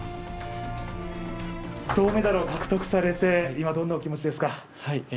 銅メダルを獲得されて今、どんなお気持ちですか？